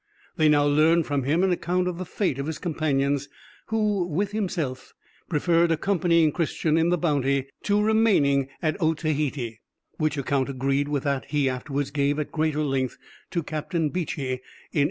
They now learned from him an account of the fate of his companions, who, with himself, preferred accompanying Christian in the Bounty to remaining at Otaheite—which account agreed with that he afterwards gave at greater length to Captain Beechey in 1828.